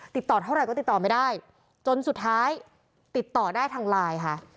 ติดต่อเท่าไหร่ก็ติดต่อไม่ได้จนสุดท้ายติดต่อได้ทางไลน์ค่ะ